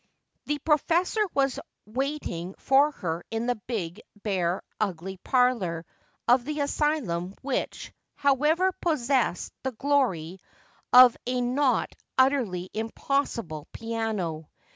The professor was waiting for her in the big, bare, ugly parlor of the asylum which, however, possessed the glory of a not utterly impossible piano.